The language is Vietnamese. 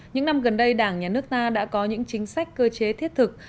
những năm gần đây đảng nhà nước ta đã có những chính sách cơ chế thiết thực